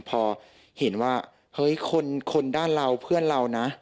พอเห็นว่าเฮ้ยคนด้านเราเพื่อนเรานะ